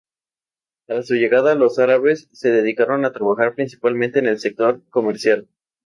A su llegada los árabes, se dedicaron a trabajar principalmente en el sector comercial.